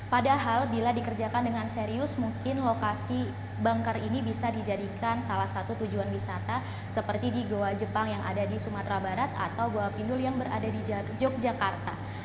padahal bila dikerjakan dengan serius mungkin lokasi bangkar ini bisa dijadikan salah satu tujuan wisata seperti di goa jepang yang ada di sumatera barat atau goa pindul yang berada di yogyakarta